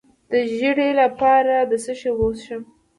د ژیړي لپاره د څه شي اوبه وڅښم؟